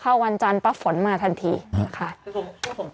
พอเข้าวันจันทร์ปรับฝนมาทันทีค่ะ